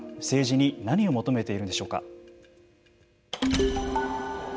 政治に何を求めているんでしょうか。